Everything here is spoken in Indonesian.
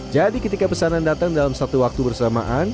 jadi ketika pesanan datang dalam satu waktu bersamaan